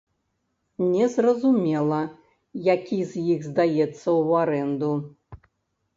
Незразумела, які з іх здаецца ў арэнду.